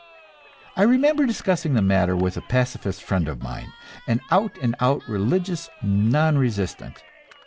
I remember discussing the matter with a pacifist friend of mine, an out and out religious non resistant.